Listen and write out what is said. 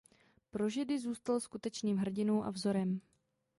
Pro židy zůstal skutečným hrdinou a vzorem.